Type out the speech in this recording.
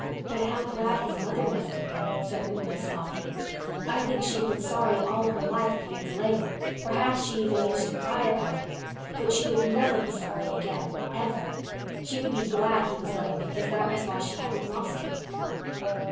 "But how glad his mother must have been," said Una softly. "I think she had been sorry all her life that he was lame. Perhaps she even used to cry about it. But she would never be sorry again—never. She would be glad he was lame because that was why she hadn't lost him."